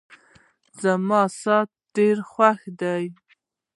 زما شاعري ډېره خوښه ده.